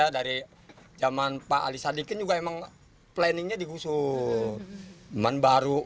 dari zaman pak ali sadikin juga memang planningnya digusur